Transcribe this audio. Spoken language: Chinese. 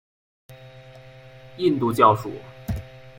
印度教属。